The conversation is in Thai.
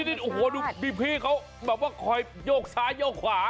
นี่ดูพี่เขาคอยโยกซ้ายโยกขวา